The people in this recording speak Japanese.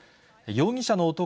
容疑者の男